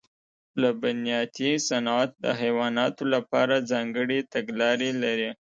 لبنیاتي صنعت د حیواناتو لپاره ځانګړې تګلارې لري.